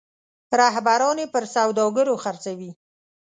رهبران یې پر سوداګرو خرڅوي.